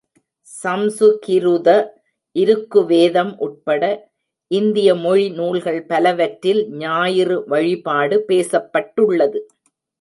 சம்சுகிருத இருக்கு வேதம் உட்பட இந்திய மொழி நூல்கள் பல வற்றில் ஞாயிறு வழிபாடு பேசப்பட்டுள்ளது.